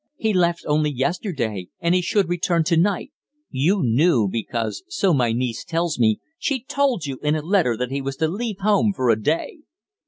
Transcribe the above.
He left only yesterday, and he should return to night. You knew because, so my niece tells me, she told you in a letter that he was to leave home for a day."